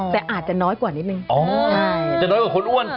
แต่อาจจะน้อยกว่านิดนึงอ๋อใช่จะน้อยกว่าคนอ้วน